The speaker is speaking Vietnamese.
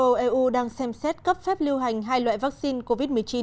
liên minh châu âu eu đang xem xét cấp phép lưu hành hai loại vaccine covid một mươi chín